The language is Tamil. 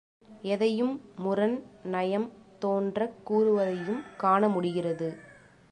எதையும் முரண் நயம் தோன்றக் கூறுவதையும் காண முடிகிறது.